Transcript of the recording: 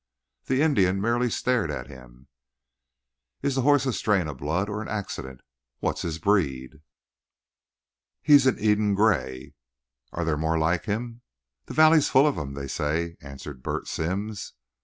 The Indian merely stared at him. "Is the horse a strain of blood or an accident? What's his breed?" "He's an Eden gray." "Are there more like him?" "The valley's full of 'em, they say," answered Bert Sims.